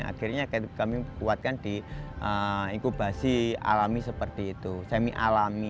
akhirnya kami kuatkan di inkubasi alami seperti itu semi alami